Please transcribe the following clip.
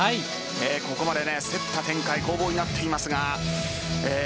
ここまでで競った展開攻防になっています。